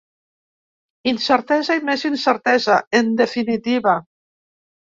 Incertesa i més incertesa, en definitiva.